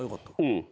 うん。